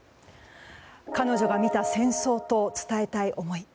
彼女が見た戦争と伝えたい思い。